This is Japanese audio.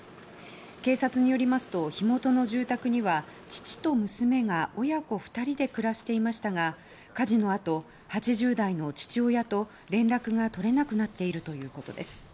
警察によりますと火元の住宅には、父と娘が親子２人で暮らしていましたが火事のあと、８０代の父親と連絡が取れなくなっているということです。